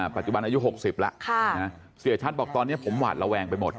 ปัจจุบันอายุ๖๐แล้วเสียชัดบอกตอนนี้ผมหวาดระแวงไปหมด